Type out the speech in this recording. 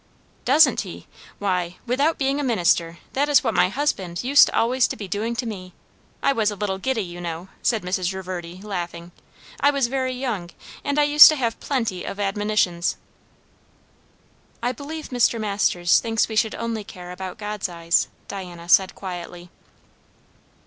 "Doesn't he? Why, without being a minister, that is what my husband used always to be doing to me. I was a little giddy, you know," said Mrs. Reverdy, laughing; "I was very young; and I used to have plenty of admonitions." "I believe Mr. Masters thinks we should only care about God's eyes," Diana said quietly.